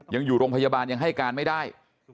ยังอยู่โรงพยาบาลยังให้การไม่ได้